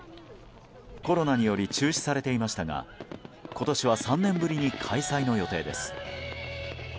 コロナにより中止されていましたが今年は３年ぶりに開催の予定です。